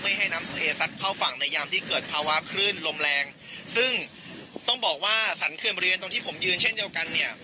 ให้น้ำทะเลซัดเข้าฝั่งในยามที่เกิดภาวะคลื่นลมแรงซึ่งต้องบอกว่าสรรเขื่อนบริเวณตรงที่ผมยืนเช่นเดียวกันเนี่ย